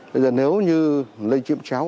bây giờ nếu như lây chiếm cháo